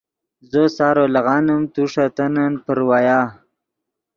زو سارو لیغانیم تو ݰے تنن پراویا